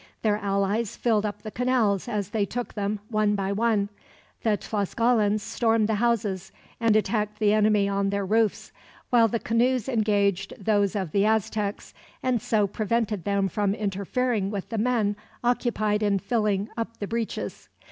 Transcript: Their allies filled up the canals as they took them, one by one. The Tlascalans stormed the houses, and attacked the enemy on their roofs; while the canoes engaged those of the Aztecs, and so prevented them from interfering with the men occupied in filling up the breaches.